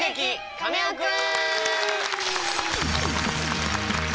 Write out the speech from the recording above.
カネオくん」。